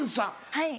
はい。